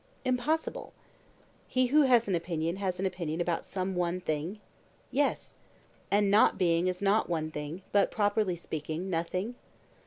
Impossible. He who has an opinion has an opinion about some one thing? Yes. And not being is not one thing but, properly speaking, nothing?